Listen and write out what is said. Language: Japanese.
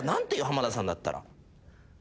濱田さんだったら。